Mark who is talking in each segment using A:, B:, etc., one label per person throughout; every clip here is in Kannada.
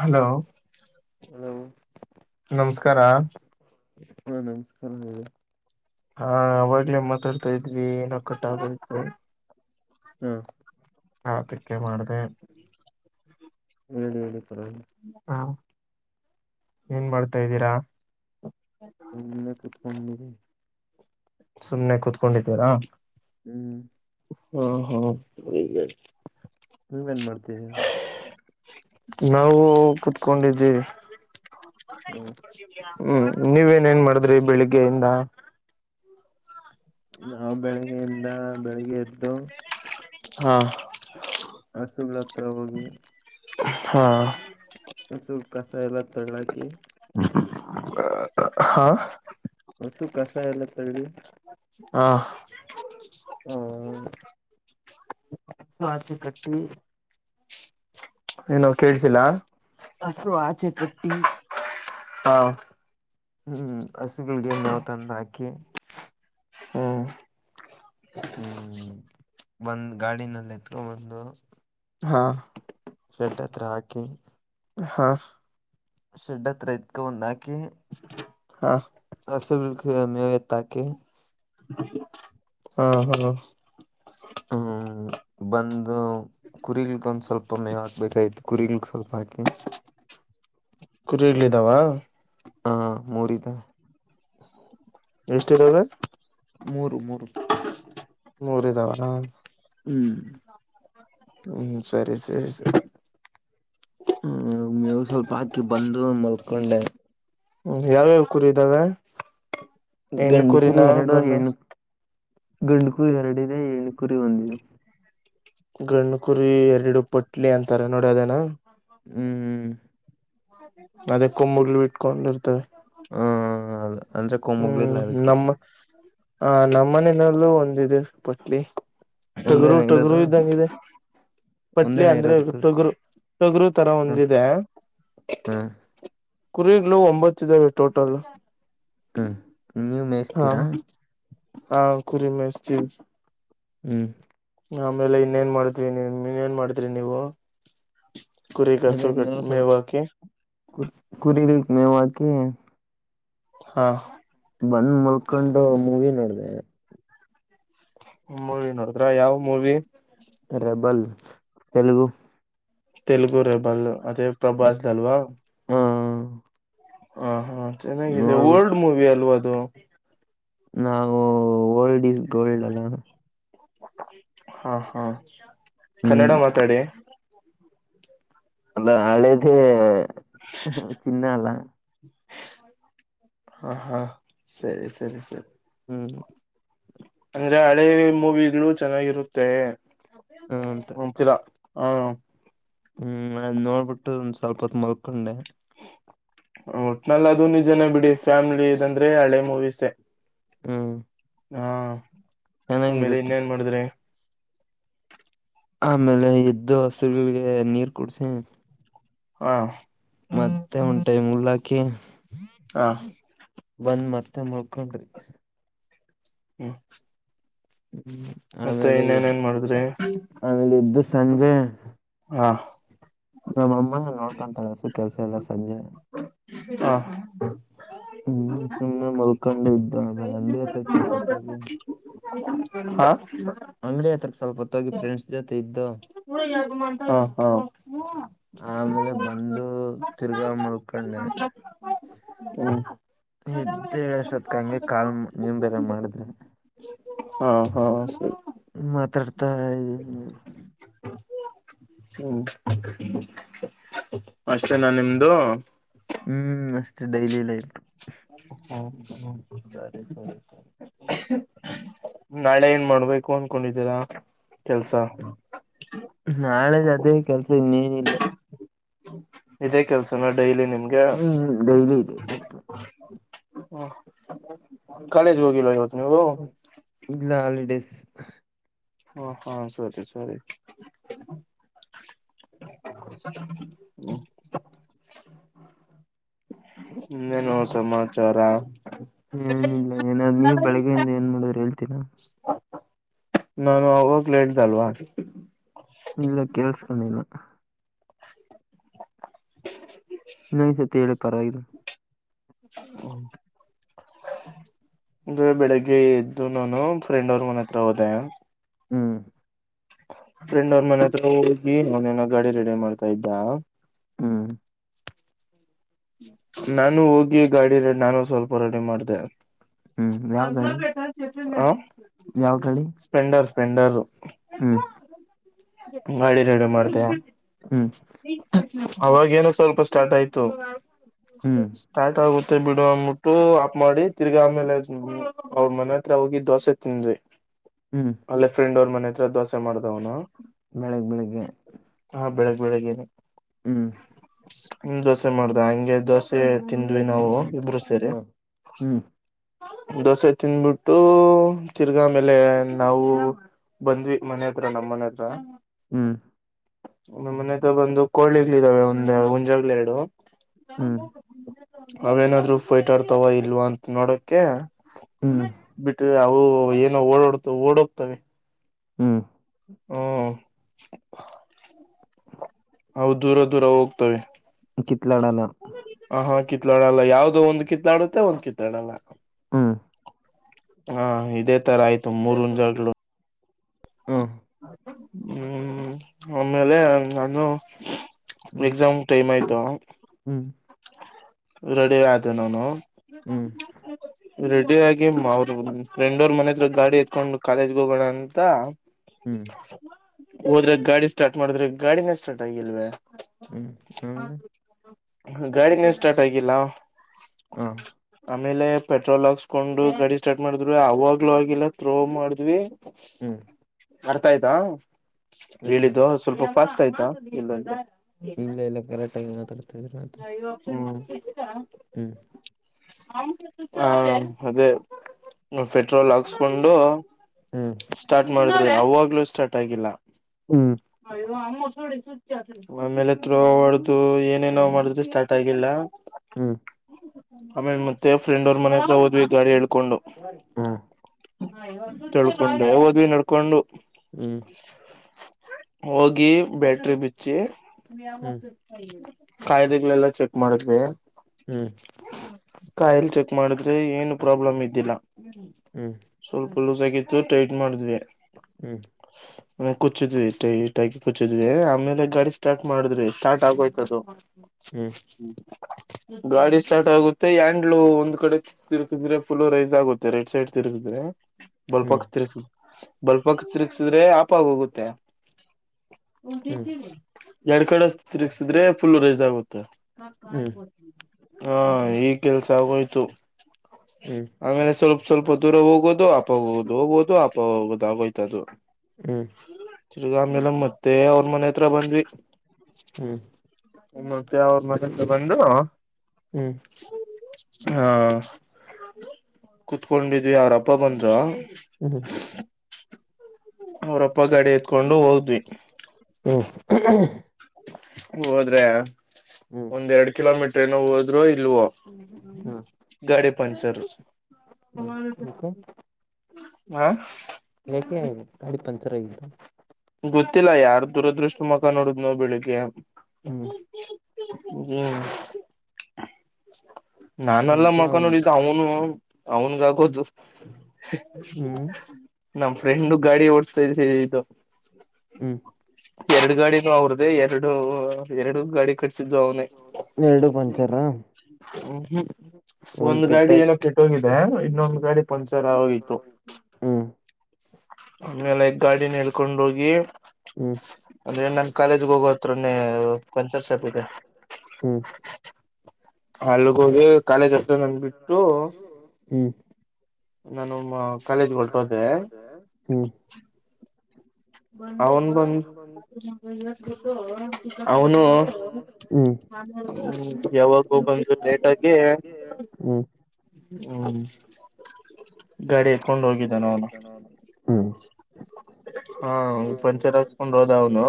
A: ಹಲೋ
B: ಹ
A: ನಮಸ್ಕಾರಾ
B: ಹಾ ನಮಸ್ಕಾರ ಹೇಳದ
A: ಹಾ ಅವಡ್ಲೆೇ ಮಾತಾಡ್ತಾ ಇದ್ವಿ ಏನೋ ಕಟ್ಟ ಆಾಗು
B: ಹ್ಮ್.
A: ಅದಕೆ ಮಾಡದೇ.
B: ಹೇಳಿ ಹೇಳಿ ಪರವಾಗಿಲ.
A: ಏನ್ ಮಾಡ್ತಾ್ದೀರಾ.
B: ಏನ ಇಲ್ಲ ಕೂತ ಕೂತಕೊಂಡ ಇದೀನಿ.
A: ಸುಮ್ನೆ ಕುೂತ್ಕೊಂಡಿದ್ದೀರಾ.
B: ಹ್ಮ್.
A: ಹ್ಮ ಹಾ [unintelligible]
B: ನೀವೇನ್ ಮಾಡ್ತಿದೀರ.
A: ನಾವು ಕುತ್ಕೊಂಡಿದ್ದೀವಿ.
B: ಹ್ಮ್
A: ಹ್ಮ್ ನೀವೇನ ಏನ್ ಮಾಡಿದ್ರಿ ಬೆಳಿಗ್ಗೆಯಿಂದ.
B: ನಾವ ಬೆಳಿಗ್ಗೆಯಿಂದ ಬೆಳಿಗ್ಗೆ ಎದ್ದು.
A: ಹಾ.
B: ಹಸುಗಳ ಹತ್ರ ಹೋಗಿ.
A: ಹಾ.
B: ಹಸುದ ಕಸ ಎಲ್ಲ ತಗಳ ಹಾಕಿ.
A: ಹಾ.
B: ಹೊಸು ಕಸ ಎಲ್ಲ ತಳ್ಳಿ.
A: ಹಾ.
B: ಆಚಿ ಕಟ್ಟಿ.
A: ಹಲೋ ಕೇಳ್ಸಿಲ್ಲಾ.
B: ಹಸು ಆಚೆ ಕಟ್ಟಿ.
A: ಆ.
B: ಹ್ಮ್ ಹಸುಗಳಿಗೆ ಮೇವ ತಂದ ಹಾಕಿ.
A: ಹ್.
B: ಹ್ಮ್ ಬಂದ ಗಾಡಿನಲ್ಲಿ ಎತಕೊ ಬಂದು.
A: ಹಾ.
B: ಶೇಡ್ ಹತ್ರ ಹಾಕಿ.
A: ಹಾ.
B: ಶೆಡ್ಡ ಹತ್ರ ಎತಕೊ ಬಂದ ಹಾಕಿ
A: ಹಾ
B: ಹಸುವಿಗ. [unintelligible] ನೆತ್ತ ಹಾಕಿ.
A: ಹಾ ಹಾ.
B: ಹ್ಮ್ ಮೇವ ಹಾಕ ಬೇಕ ಆಗಿತ್ತ ಕುರಿಗಿಗ ಸ್ವಲ್ಪ ಹಾಕಿ.
A: ಕುರಿಗಳ ಇದಾವ.
B: ಹಾ ಮೂರ ಇದೆ.
A: ಎಷ್ಟ ಇದಾವೆ.
B: ಮೂರು ಮೂರು.
A: ಮೂರ ಇದಾವ.
B: ಹ್ಮ್.
A: ಹ್ಮ್ ಸರಿ ಸರಿ ಸರಿ.
B: ಹ್ಮ ಮೇವು ಸ್ವಲ್ಪ ಹಾಕಿ ಬಂದು ಮಲ್ಕೊಂಡೆ.
A: ಹ್ಮ್ ಯಾವ್ಯಾವ ಕುರಿ ಇದಾವೆ.
B: ಗಂಡ ಕುರಿ ಎರಡು ಹೆಣ್ಣು. ಗಂಡ ಕೂರಿ ಎರಡಿದೆ ಹೆಣ್ಣ ಕುರಿ ಒಂದ ಇದೆ.
A: ಗಂಡ ಕುರಿ ಎರಡು ಪೊಟ್ಲಿ ಅಂತಾರ ನೋಡಿದಿನ ಅದನಾ
B: ಹ್ಮ್ ಹ್ಮ್.
A: ಅದೇಕ್ಕೂ ಮುರಲು ಇಟ್ಟಕೊಂಡ ಇರತವೆ.
B: ಹ ಅದ ಅಂದ್ರೆ ಕೊಂಬುಗಳಿಲ್ಲ
A: ಹ್ಮ್
B: ಅದಕ್ಕೆ
A: ನಮ್ ಆ ನಮ್ಮನೆಯಲ್ಲೂ ಒಂದಿದೆ ಪುಟ್ಲಿ. ಟಗರು
B: ಒಂದೇನ
A: ಟಗರು
B: ಇರೋದು
A: ಇದ್ದಂಗಿದೆ. ಪಟ್ಲಿ
B: ಒಂದೇನ
A: ಅಂದ್ರೆ
B: ಇರೋದು ಕುರಿ
A: ಟಗರು ಟಗರು ತರ ಒಂದ ಇದೆ.
B: ಹ್ಮ
A: ಕುರಿಗಳು ಒಂಬತ್ ಇದ್ದಾವೆ ಟೋಟಲ್.
B: ಹ್ಮ್ ನೀವ್
A: ಹ
B: ಮೇಯಿಸ್ತೀರಾ
A: ಹ ಕುರಿ ಮೆಸ್ತಿ
B: ಹ್ಮ್
A: ಆಮೇಲೆ ಇನ್ನೇನ್ ಮಾಡ್ತ್ವಿ ನೀ ಇನೆನ್ ಮಾಡುದ್ರಿ ನೀವು. ಕುರಿ ಕಸು
B: ಅದೆ
A: ಕಟ್
B: ಮೆವ್ ಸ್ವಲ್ಪ
A: ಮೇವ್ ಹಾಕಿ
B: ಕುು ಕುರಿಗಳ್ ಮೇವ್ ಹಾಕಿ.
A: ಹಾ
B: ಬಂದ್ ಮುಲ್ಕೊಂಡು ಮೂವಿ ನೋಡ್ದೆ.
A: ಮೂವಿ ನೋಡುದ್ರ ಯಾವ್ movie.
B: Rebel Telugu.
A: Telugu rebel ಅದೇ ಪ್ರಭಾಸ್ ದಲ್ವ್
B: ಹ
A: ಹಾ ಹಾ ಚೆನ್ನಾಗಿದೆ
B: ನೋಡ್ಬಿಟ್ಟು
A: ಓಲ್ಡ್ ಮೂವಿ ಅಲ್ವ ಅದು.
B: ನಾವು ಓಲ್ಡ್ ಇಸ್ ಗೋಲ್ಡ್ ಅನೊ
A: ಹಾ ಹಾ ಕನ್ನಡ
B: ಹ್ಮ್
A: ಮಾತಾಡಿ.
B: ಅದ ಹಳೆದೆ ತಿನ್ನಲ್ಲ.
A: ಹಾ ಹಾ ಸರಿ ಸರಿ ಸರಿ.
B: ಹ್ಮ್
A: ಅಂದ್ರೆ ಹಳೆ ಮೂವಿಗಳು ಚೆನ್ನಾಗಿರುತ್ತೆ.
B: ಹ ಅಂತ
A: ಅಂತಿರಾ ಹ್ಮ
B: ಹ್ಮ್ ಅದ್ ನೋಡ್ಬಿಟ್ಟು ಒಂದ್ ಸ್ವಲ್ಪಹೊತ್ ಮಲ್ಕೊಂಡೆ.
A: ಒಟ್ನಲ್ ಅದು ನಿಜನೇ ಬಿಡಿ ಫ್ಯಾಮಿಲಿಸ್ ಅಂದ್ರೆ ಹಳೆ ಮೂವೀಸ್ಸೆ.
B: ಹ್ಮ
A: ಹಾ ಆಮೇಲ್ ಇನ್ನೇನ್ ಮಾಡ್ದ್ರಿ
B: ಆಮೇಲೆ ಎದ್ದು ಹಸುವಿಗೆ ನೀರ್ ಕುಡ್ಸಿ.
A: ಹಾ
B: ಮತ್ತೆ ಒಂದ್ ಟೈಮ್ ಹುಲ್ಲಾಕಿ
A: ಹಾ
B: ಬಂದ್ ಮತ್ ಮತ್ತೆ ಮಲ್ಕೊಂಡೆ.
A: ಹ್ಮ್
B: ಹ್ಮ
A: ಮತ್ತೆ
B: ಆಮೇಲೆ
A: ಇನ್ನೇನೇನ್ ಮಾಡಿದ್ರಿ
B: ಆಮೇಲ್ ಎದ್ದು ಸಂಜೆ.
A: ಹಾ
B: ನಮ್ ಅಮ್ಮ ನೋಡ್ಕೊಂತಾಳೆ ಹುಸು ಕೆಲ್ಸ ಎಲ್ಲ ಸಂಜೆ. ಹ್ಮ್ ಸುಮ್ನೆ ಮುಲ್ಕೊಂಡ ಇದ್ದು ಆಮೇಲೆ ಅಂಗಡಿ ಹತ್ರ ಸ್ವಲ್ಪತ್ ಹೋಗಿ.
A: ಹಾ ಹಾ
B: ಅಂಗ್ಡಿ ಅತ್ರ ಸ್ವಲ್ಪ ತ್ ಹೋಗಿ ಫ್ರೆಂಡ್ಸ್ ಜೊತೆ ಇದ್ದು.
A: ಹಾ ಹಾ [unintelligible]
B: ಆಮೇಲೆ ಬಂದು ತಿರ್ಗಾ ಮಲ್ಕೊಂಡೆ
A: ಹ್ಮು
B: ಎದ್ದೇಳಷ್ಟೊತ್ಕ ಹಂಗೆ ಕಾಲ್ ನೀವ್ ಬೇರೆ ಮಾಡಿದ್ರಿ
A: [unintelligible] ಹಾ ಹಾ ಸರ್
B: ಮಾತಾಡ್ತಾ ಇದಿನಿ.
A: ಹ್ಮ್ ಅಷ್ಟೇನಾ ನಿಮ್ದು.
B: ಹ್ಮ್ ಅಷ್ಟೇ ಡೈಲಿ ಲೈಫು.
A: [unintelligible]
B: [unintelligible]
A: ನಾಳೆ ಏನ್ ಮಾಡ್ಬೇಕು ಅನ್ಕೊಂಡಿದ್ದೀರಾ ಕೆಲ್ಸ.
B: ನಾಳೆ ಅದೇ ಕೆಲ್ಸ ಇನ್ನೇನಿಲ್ಲ.
A: ಇದೇ ಕೆಲ್ಸನ ಡೈಲಿ ನಿಮ್ಗೆ.
B: ಹ್ಮ್ ಡೈಲಿ ಇದೆ ಕೆಲ್ಸ
A: ಕಾಲೇಜ್ ಹೋಗಿಲ್ಲ ಇವತ್
B: ಇಲ್ಲ ಹಾಲಿಡೇಸ್.
A: ಅ ಹಾ ಸರಿ ಸರಿ ಹ [unintelligible] ಇನ್ನೇನು ಸಮಾಚಾರ.
B: ಏನಿಲ್ಲ ಏನಾದ್ ನೀವ್ ಬೆಳಗ್ಗೆಯಿಂದ ಏನ್ ಮಾಡಿದ್ರಿ ಹೇಳ್ತೀರ.
A: ನಾನು ಆವಾಗ್ಲೇ ಹೇಳಿದಲ್ಲ
B: ಇಲ್ಲ ಕೇಳಿಸಿಕೊಂಡಿಲ್ಲ ಇನ್ನೊಂದ್ಸತಿ ಹೇಳು ಪರವಾಗಿಲ್ಲ
A: ಹ್ಮ [unintelligible] ಅ ಬೆಳಿಗ್ಗೆ ಎದ್ದು ನಾನು ಫ್ರೆಂಡ್ ಅವ್ರ ಮನೆ ಹತ್ರ ಹೋದೆ
B: ಹ್ಮ್
A: ಫ್ರೆಂಡ್ ಅವ್ರ ಮನೆ ಹತ್ರ ಹೋಗಿ ಅವನನ ಗಾಡಿ ರೆಡಿ ಮಾಡ್ತಾ ಇದ್ದ
B: ಹ್ಮ್
A: ನಾನು ಹೋಗಿ ಗಾಡಿ ರಡಿ ನಾನು ಸ್ವಲ್ಪ ರೆಡಿ ಮಾಡ್ದ
B: ಹ್ಮ
A: ಹ
B: ಯಾವ
A: ಸ್ಪೆಂಡರ್ ಸ್ಪೆಂಡರ್ [inaudible]
B: ಹ್ಮ
A: ಗಾಡಿ ರೇಡಿ ಮಾಡ್ತೇಯ
B: ಹ್ಮ್
A: ಅವಾಗ [inaudible] ಸ್ವಲ್ಪ ಸ್ಟಾರ್ಟ್ ಆಯ್ತು
B: ಹ್ಮ್
A: ಸ್ಟಾರ್ಟ್ ಆಗ ತ್ತೆ ಬಿಡು ಅಂದ್ಬಿಟ್ಟು ಆಪ್ ಮಾಡಿ ತಿರ್ಗಿ ಆಮೇಲೆ ಅವ್ರ ಮನೆ ಹತ್ರ ಹೋಗಿ ದೋಸೆ ತಿಂದ್ವಿ
B: ಹ್ಮ್
A: ಅಲ್ಲೇ ಫ್ರೆಂಡ್ ಅವ್ರ ಮನೆ ಹತ್ರ ದೋಸೆ ಮಾಡ್ದವ್ನ ಅವನು
B: ಬೆಳಿಗ್ಗೆ ಬೆಳಿಗ್ಗೆ
A: ಬೆಳಗ್ನೆ
B: ಹ್ಮ್
A: ಹ ದೋಸೆ ಮಾಡ್ದ ಹಂಗೆ ದೋಸೆ ತಿಂದ್ವಿ ನಾವು ಇಬರು ಸೇರಿ
B: ಹ್ಮ್ ಹ್ಮ್
A: ದೋಸೆ ತಿನ್ಬಿಟ್ಟು ತಿರ್ಗ್ಮೇಲೆ ನಾವು ಬಂದ್ವಿ ಮನೆ ಹತ್ರ ನಮ್ ಮನೆ ಹತ್ರ
B: ಹ್ಮ್
A: ಮನೆತ ಬಂದು ಕೋಳಿಗ್ಗಳ ಇದಿದಾವೆ ಒಂದು ಹಂಜಾಗಲೆ ಎರಡು
B: ಹ್ಮ್
A: ಅವೇನಾದ್ರು ಫೈಟ್ ಆತಾವ ಇಲ್ವಾ ಅಂತ ನೋಡಕ
B: ಹ್ಮ್
A: ಬಿಟ್ಟ ಓ ಏನೋ ಓಡಾಡ್ತು ಓಡೋಗ್ತವೆ
B: ಹ್ಮ
A: ಹ್ಮ ಅವು ದೂರ ದೂರ ಹೋಗ್ತವೆ
B: ಕಿತ್ಲಾಡಲ್ಲ
A: ಹ ಹಾ ಕಿತ್ಲಾಡಲ್ಲ ಯಾವ್ದದು ಒಂದ್ ಕಿತ್ಲಾಡುತ್ತೆ ಒಂದ್ ಕಿತ್ಲಾಡಲ್ಲ
B: ಹ್ಮ
A: ಹಾ ಇದೇ ತರ ಆಯ್ತು ಮೂರುಂಜಾಗಗಳು
B: ಹ್ಮ್
A: ಹ್ಮ್ ಆಮೇಲೆ ನಾನು
B: ಹ್ಮ್
A: ಎಕ್ಸಾಮ್ ಟೈಮ್ ಆಯ್ತು
B: ಹ್ಮ್
A: ರೆಡಿ ಆದ ನನು
B: ಹ್ಮ್
A: [unintelligible] ರೆಡಿ ಆಗಿ ಅವ್ರ ಫ್ರೆಂಡ್ ಅವ್ರ ಮನತ್ರ ಗಾಡಿ ಎತ್ಕೊಂಡು ಕಾಲೇಜ್ಗೆ ಹೋಗೋಣ ಅಂತ
B: ಹ್ಮ್
A: ಹೋದ್ರೆ ಗಾಡಿ ಸ್ಟಾರ್ಟ್ ಮಾಡಿದ್ರೆ ಗಾಡಿನೇ ಸ್ಟಾರ್ಟ್ ಆಗಿಲ್ವ
B: ಹ್ಮ್ ಹ
A: ಗಾಡಿನೇನ್ ಸ್ಟಾರ್ಟ್ ಆಗಿಲ್ಲ
B: ಹಾ
A: ಆಮೇಲೆ ಪೆಟ್ರೋಲ್ ಹಾಕ್ಸ್ಕೊಂಡು ಗಾಡಿ ಸ್ಟಾರ್ಟ್ ಮಾಡಿದ್ರು ಅವಾಗ್ಲೂ ಆಗಲ್ಲ ತ್ರ್ರೋ ಮಾಡಿದ್ವಿ
B: ಹ್ಮ್
A: ಅರ್ಥ ಆಯ್ತಾ
B: ಹ್ಮ್
A: ಹೇಳಿದ್ದು ಸ್ವಲ್ಪ ಫಾಸ್ಟ್ ಆಯ್ತಾ ಇಲ್ಲ
B: ಈಗ್ಲೇ ಎಲ್ಲ ಕರೆಕ್ಟ್ ಆಗಿ ಮಾತಾಡ್ತಾ ಇದ್ರ ಆತ.
A: ಹ್ಮ [inaudible]
B: ಹ್ಮ್
A: ಹ ಅದೇ ಪೆಟ್ರೋಲ್ ಹಾಕ್ಸ್ಕೊಂಡು
B: ಹ್ಮ್
A: ಸ್ಟಾರ್ಟ್ ಮಾಡಿದ್ರಿ ಅವಾಗ್ಲೂ ಸ್ಟಾರ್ಟ್ ಆಗಿಲ್ಲ
B: ಹ್ಮ್
A: ಆಮೇಲೆ ತ್ರೋ ಹೊಡ್ದು ಏನೇನ ಮಾಡಿದ್ರೆ ಸ್ಟಾರ್ಟ್ ಆಗಿಲ್ಲ
B: ಹ್ಮ್
A: ಆಮೇಲೆ ಮತ್ತೆ ಫ್ರೆಂಡ್ ಅವರ ಮನೆ? [unintelligible] ಎ, ಹೋದ್ವಿ ಗಾಡಿ ಇಲ್ಲಿಕೊಂಡು,
B: ಹ್ಮ
A: ತಳ್ಕೊಂಡು ಹೋದ್ವಿ ನಡ್ಕೊಂಡು?
B: ಹ್ಮ್
A: [inaudible] ಹೋಗಿ, ಬ್ಯಾಟರಿ, ಬಿಚ್ಚಿ?
B: ಹ್ಮ್
A: [inaudible] ಕಾಯ್ದಗಳೆಲ್ಲ, ಚೆಕ್ ಮಾಡಿದ್ವಿ? [inaudible]
B: ಹ್ಮ್
A: ಕಾಯಿಲ್, ಚೆಕ್ ಮಾಡಿದ್ರೆ! ಏನು ಪ್ರಾಬ್ಲಮ್ ಇದ್ದಿಲ್ಲ?
B: ಹ್ಮ್
A: [inaudible] ಸ್ವಲ್ಪ, ಲೂಸ್ ಆಗಿತ್ತು! ಟೈಟ್ ಮಾಡಿದ್ವಿ. [inaudible]
B: ಹ್ಮ್. [inaudible]
A: ನಾವು, ಕುಚ್ಚಿದ್ವಿ! ತೈ, ತಕಿ ಕುಚ್ಚಿದ್ವಿ ಆಮೇಲೆ ಗಾಡಿ ಸ್ಟಾರ್ಟ್ ಮಾಡಿದ್ರಿ ಸ್ಟಾರ್ಟ್ ಆಗೋಯಿತು, ಅದು. [inaudible] ಹ್ಮ್. [unintelligible] ಗಾಡಿ ಸ್ಟಾರ್ಟ್ ಆಗುತ್ತೆ! ಹ್ಯಾಂಡಲ್, ಒಂದ್ ಕಡೆ, ತಿರುಗಾಧಾರೆ, ಫುಲ್ ರೈಸ್ ಆಗುತ್ತೆ ರೈಡ್ ಸೈಡ್. [inaudible] ತಿದ್ರೆ, ಬಲ್ಪಕ್
B: ಹ್ಮ್
A: ತಿರಗು? [inaudible] ಬಲ್ಬಬ್ಯಾಂಕ್ಸ್, ತಿರುಗ್ಸಿದ್ರೆ ಆಫ್ಗಾಗಿ, ಹೋಗುತ್ತೆ?
B: ಹ್ಮ್
A: [unintelligible] ಎರಡ್, ಕಡೆ ತಿರುಗ್ಸಿದ್ರೆ! ಫುಲ್ ರೈಸ್ ಆಗುತ್ತೆ? [inaudible]
B: ಹ್ಮ್. [inaudible]
A: ಹಾ, ಈ ಕೆಲ್ಸ ಆಗೋಯ್ತು!
B: ಹ್ಮ್ ಹ್ಮ್ ಹ್ಮ್ ಹ್ಮ್
A: ಆಮೇಲೆ ಸ್ವಲ್ಪ? [inaudible] ಸ್ವಲ್ಪ, ದೂರ ಹೋಗೋದು! ಆಫ್ಗಾಗೋಧು, ಹೋಗೋದು, ಅಪ ಹೋಗೋದು, ಆಯ್ತು, ಅದು. [inaudible]
B: ಹ್ಮ. [inaudible]
A: ತಿರ್ಗಾಮೇಲೆ, ಮತ್ತೆ ಅವ್ರ ಮನೆ ಹತ್ರ ಬಂದ್ವಿ? [inaudible]
B: ಹ್ಮ್. [inaudible]
A: ಮತ್ತೆ, ಅವ್ರ ಮಗಂತರಾ, ಬಂದು? [inaudible]
B: ಹ್ಮ್. [inaudible]
A: ಹಾ, ಕುತ್ಕೊಂಡ್, ಇದೀಯ, ಅವರು, ಅಪ್ಪ, ಬಂದಾರು? [inaudible]
B: ಸರಿ! [inaudible]
A: ಅವ್ರಪ್ಪ, ಗಾಡಿ, ಎತ್ಕೊಂಡು ಹೋದ್ವಿ? [inaudible]
B: ಹ್ಮ, ಯಕಲೈ. [unintelligible]
A: ಹೋದ್ರೆ ಒಂದ್ ಎರಡ್ ಕಿಲೋಮೀಟರು ಏನೋ, ಹೋದರೋ, ಇಲ್ವೋ. [inaudible] ಹೂ, ಹ್ಮ್ಮ್, ಗಾಡಿ ಪಂಕ್ಚರ್? [unintelligible] ಹ? [inaudible]
B: ಅದಕ್ಕೆ, ಹೇಳಿದ್ದು, ಗಾಡಿ ಪಂಕ್ಚರ್, ಹಗಿಧ್ಯಂಥ? [inaudible]
A: ಗೊತ್ತಿಲ್ಲ, ಯಾರು ದುರದೃಷ್ಟ! ಮುಖ ನೋಡುದ, ನೋ, ಬೆಳಿಗ್ಗೆ? [inaudible]
B: ಹ್ಮ್. [inaudible]
A: ಹ್ಮ್, ನಾನು, ಅಲ್ಲಾ,
B: ನಂತ
A: ಮುಖ ನೋಡಿದ್ದು ಅವನು? [inaudible] ಅವನಿಗೆ ಹಾಕೂ, ಜೂಸ್?
B: ಹ್ಮ್
A: [unintelligible] ನಮ್, ಫ್ರೆಂಡು ಗಾಡಿ ಓಡಿಸ್ತಾ ಇದ್ದಿದ್ದು ಇದು
B: ಹ್ಮ್
A: ಎರಡು, ಗಾಡಿನು, ಅವರು? [inaudible] ಅದೇ, ಎರಡು, ಎರಡು, ಗಾಡಿ, ಕಟ್ಸಿದು, ಅವನೇ? [inaudible]
B: ಎರಡು ಪಂಚರ
A: ಹ್ಮ, ಹ್ಮ್, ಒಂದ್ ಗಾಡಿ! ಏನೋ ಕೆಟ್ಟ ಹೋಗಿದೆ? [inaudible] ಇನ್ನೊಂದು ಗಾಡಿ ಪಂಚರ್ ಆಗೋಗಿತ್ತು?
B: ಹ್ಮ್
A: [inaudible] ಆಮೇಲೆ, ಗಾಡಿನ ಎಳ್ಕೊಂಡು, ಹೋಗಿ? [inaudible]
B: ಹ್ಮ್. [inaudible]
A: ಅಂದ್ರೆ, ನಾನು, ಕಾಲೇಜ್, ಹೋಗು ಹತ್ರಾನೆ,
B: ಹ್ಮ್
A: ಪಂಚರ್ ಶಾಪ್ ಇದೆ? [inaudible] ಅಲ್ಲಿಗೆ, ಹೋಗಿ ಕಾಲೇಜ್? ಹತ್ರಾನೆ ಬಿಟ್ಟು? [inaudible] ನಾನು, ಕಾಲೇಜ್! ಹೊರಟುಹೋದೆ? [inaudible]
B: ಹಾ, ಹ್ಮ್. [inaudible]
A: ಅವನು, ಬಂದು, ಅವನು? [unintelligible]
B: ಹ್ಮ್ ಹ್ಮ್
A: ಹ್ಮ್, ಯಾವಾಗೂ! ಬಂದು, ಲೇಟ ಆಗಿ? [unintelligible]
B: ಹ್ಮ್
A: ಹ್ಮ್, ಗಾಡಿ, ಎತ್ತಿಕೊಂಡು, ಹೋಗಿದ್ದನೆ, ಅವನು?
B: ಹ್ಮ್ ಹ್ಮ್
A: [unintelligible] ಹಾ, ಪಂಚರಗಿಸಿಕೊಂಡು ಹೋದವನು?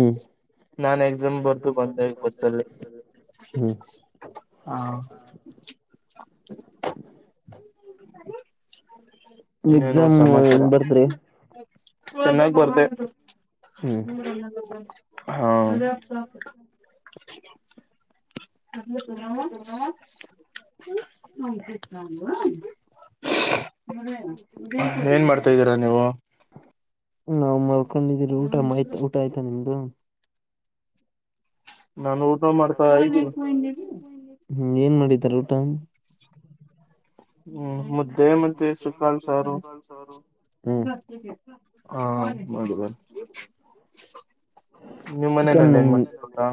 A: [inaudible] ನಾನು, ಎಕ್ಸಾಮ್, ಬರದು ಬಂದೇ, ಬಸ್ಸಲ್ಲಿ,
B: ಹ್ಮ್
A: ಹಾ. [unintelligible] [inaudible] [unintelligible] ಇನ್ನೇನು,
B: ಎಕ್ಸಾಮ್
A: ಸಮಾಚಾರ?
B: ಹೆಂಗ್ ಬರ್ದ್ರಿ
A: [unintelligible] ಚೆನ್ನಾಗಿ ಬರ್ತೆ
B: ಹ್ಮ್
A: ಹಾ ಹು [unintelligible] ಏನ್ ಮಾಡ್ತಾ್ದೀರಾ ನೀವು
B: ನಾವು ಮಲ್ಕೊಂಡಿದ್ದೀರಿ ಊಟ ಆಯ್ತ ಊಟ ಆಯ್ತಾ ನಿಮ್ದು
A: ನಾನು ಊಟ ಮಾಡ್ತಾ್ದೀನಿ
B: ಹ್ಮ್ ಏನ್ ಮಾಡಿದಿದ್ದಾರೆ ಊಟ
A: ಹ್ಮ್ ಮುದ್ದೆ ಮತ್ತೆ ಸುಕಾಲ್ ಸಾರು ಹಾ
B: ಹಾ
A: ಹ ನೀವು್ ಮನೇಲ್ಲ ಏನ್ ಮಾಡಿದೀರ ಊಟಾ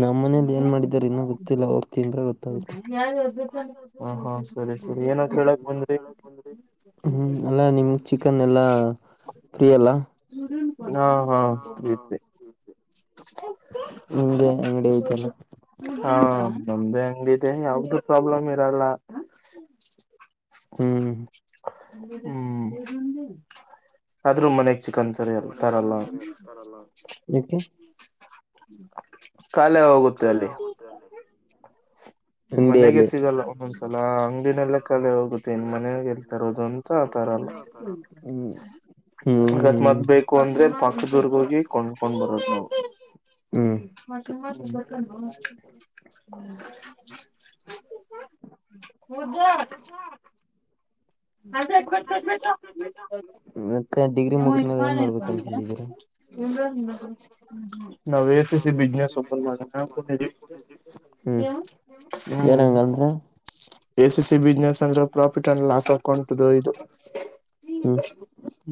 B: ನಮ್ಮ ಮನೇಲಿ ಏನ್ ಮಾಡಿದಾರೆ ಇನ್ನೂ ಗೊತ್ತಿಲ್ಲ ಹೋಗ್ ತಿಂದ್ರೆ ಗೊತ್ತಾಗುತ್ತೆ
A: ಹ ಹಾ ಸರಿ ಸರಿ ಏನಾದ
B: ಏ ಅಂದ್ರ ಹ್ಮ್ ಅಲ್ಲಾ ನಿಮ್ ಚಿಕನ್ ಎಲ್ಲಾ ಪ್ರಿಯಲ್ಲ
A: ಹಾ ಹಾ
B: ನಿಮ್ಗೆ ಅಂಗಡಿ ಐತಲ್ಲ
A: ಹಾ ನ ಯಾವ್ದು ಪ್ರಾಬ್ಲಮ್ ಇರಲ್ಲ
B: ಹ್ಮ್
A: ಹ್ಮ್ ಆದ್ೂ ಮನೆ
B: ಆದ್ರೂ ಮನೆಗ್ ಚಿಕ್ಕನ್ ಸರಿ ಹತಾರಲ್ಲ
A: ಕಾಲೆ ಹೋಗುತ್ತೆ ಅಲ್ಲಿ ಮನೆಗೆ
B: ಅಂಗಡಿಯಲ್ಲಿ
A: ಸಿಗಲ್ಲ ಒಂದೊಂದ್ಸಲ ಹಂಗಿನೆಲ್ಲ ಲ ಹೋಗುತ್ತೆ ಇನ್ ಮನಾಗ ೇಳ್ತರೋದು ಅಂತ ಆ ತರಲ್ಲ
B: ಹ್ಮ್ ಹ್ಮ್ ಹ್ಮ್
A: ಅಕಸ್ಮಾತ್ ಬೇಕು ಅಂದ್ರೆ ಪಕ್ಕದದುರ್ಗ ಹೋಗಿ ಕೊಂಡ್ಕೊಂಡ್ ಬರದು ನಾವು
B: ಹ್ಮ್
A: ಮತ್ತ ಹ್ಮ [inaudible]
B: ಮತ್ತೆ ಡಿಗ್ರಿ
A: ನಮ್ಮ
B: ಮುಗಿದ್ಮೇಲೆ
A: ಕಾಲ
B: ಏನ್
A: ಇ
B: ಮಾಡ್ಬೇಕು
A: ಬಂದ್ರೆ
B: ಅನ್ಕೊಂಡಿದೀರಾ
A: [unintelligible] ಹ್ಮ ಹ್ಮ್ ಹ್ಮ್ ನವ ಸಿ ಸಿ ಬಿಜನೆಸ್ ಪ ಮಾಡ
B: ಏನಂಗಂದ್ರ
A: ಎಸ್ ಎ ಬಿಸ್ ಪ್ರಫಿಟ್ಂಡ್ ಲಾಸ್ ಟ ಇದು
B: ಹ್ಮ್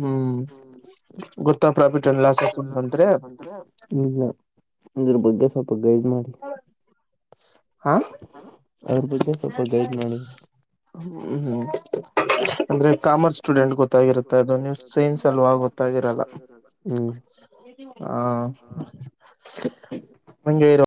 A: ಹ್ಮ್ ಗೊತ್ತ ಪ್ರಾಫಿಟ್ ಅನ್ ಲಾಸ್ಂತಂದ್ರ
B: ಅಂದ್ರ ಬಗ್ಗೆ ಸ್ವಲ್ಪ ಗೈಡ್ ಮಾಡಿ
A: ಹಾ
B: ಅದ್ರ ಬಗ್ಗೆ ಸ್ವಲ್ಪ ಗೈಡ್ ಮಾಡಿ
A: ಹ್ಮ ಹ್ಮ್ ಅಂದ್ರೆ ಕಾಮರ್ಸ್ ಸ್ಟೂಡೆಂಟ್ ಗೊತ್ತಾಗಿರುತ್ತಾ ಅದು ನೀವು ಸೈನ್ಸ್ ಅಲ್ವಾಗ ಗೊತ್ತಾಗಿರಲ್ಲ
B: ಹ್ಮ್
A: ಹಂಗೆ ಇರು